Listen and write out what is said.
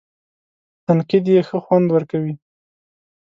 تنقید یې ښه خوند ورکوي.